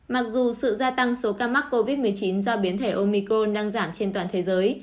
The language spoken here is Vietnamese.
mặc dù sự gia tăng số ca mắc covid một mươi chín do biến thể omicron đang giảm trên toàn thế giới